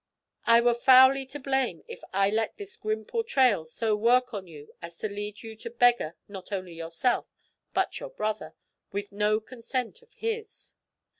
I were foully to blame if I let this grim portrayal so work on you as to lead you to beggar not only yourself, but your brother, with no consent of his."